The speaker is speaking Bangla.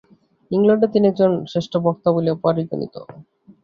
ইংলণ্ডে তিনি একজন শ্রেষ্ঠ বক্তা বলিয়া পরিগণিত।